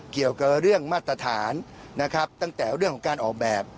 เกี่ยวกับเรื่องมาตรฐานนะครับตั้งแต่เรื่องของการออกแบบ